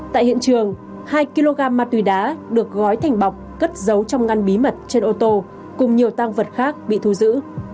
tại hiện trường hai kg ma túy đá được gói thành bọc cất giấu trong ngăn bí mật trên ô tô cùng nhiều tăng vật khác bị thu giữ